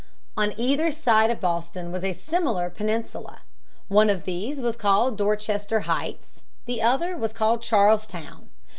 On either side of Boston was a similar peninsula. One of these was called Dorchester Heights; the other was called Charlestown.